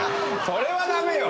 それはダメよ！